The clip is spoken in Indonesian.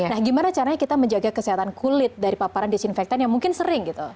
nah gimana caranya kita menjaga kesehatan kulit dari paparan disinfektan yang mungkin sering gitu